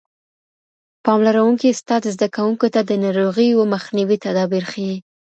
پاملرونکی استاد زده کوونکو ته د ناروغیو مخنیوي تدابیر ښيي.